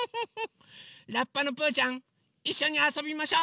ラッパのぷうちゃんいっしょにあそびましょ！